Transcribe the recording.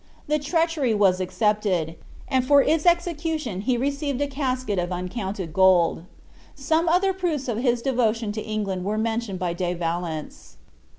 The treachery was accepted; and for its execution he received a casket of uncounted gold. Some other proofs of his devotion to England were mentioned by De Valence.